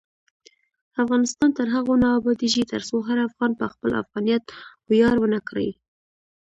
افغانستان تر هغو نه ابادیږي، ترڅو هر افغان په خپل افغانیت ویاړ ونه کړي.